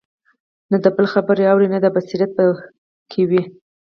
نه د بل خبره اوري او نه دا بصيرت په كي وي